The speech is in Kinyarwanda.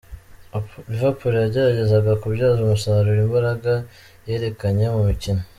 Liverpool yageragezaga kubyaza umusaruro imbarga yerekanye mu mukino.